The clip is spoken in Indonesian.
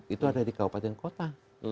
itu ada di kabupaten kota